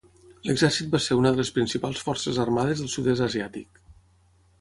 L'exèrcit va ser una de les principals forces armades del Sud-est Asiàtic.